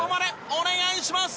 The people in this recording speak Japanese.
お願いします！